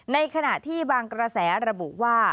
ในขณะที่บางกระแสระบุว่า